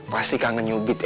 pasti kangen nyubit ya